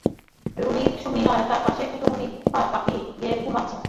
রুমী সুমী তাঁর পাশেই কুণ্ডলী পাকিয়ে ঘুমুচ্ছে।